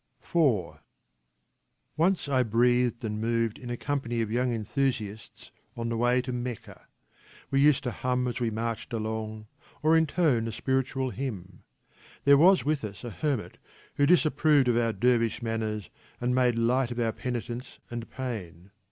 IV Once I breathed and moved in a company of young enthusiasts on the way to Meccah ; we used to hum as we marched along, or intone a spiritual hymn. There was with us a hermit who disapproved of our dervish manners, and made light of our penitence and pain.